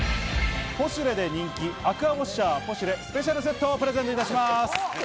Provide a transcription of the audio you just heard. ポシュレで人気、アクアウォッシャーポシュレスペシャルセットをプレゼントいたします。